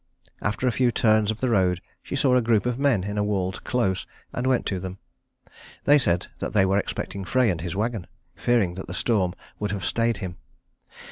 After a few turns of the road she saw a group of men in a walled close, and went to them. They said that they were expecting Frey and his wagon, fearing that the storm would have stayed him.